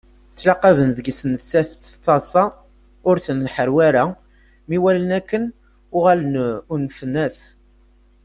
Ttlaqaben deg-s nettat tettaḍsa, ur tenḥerwa ara. Mi walan akken uɣalen unfen-as.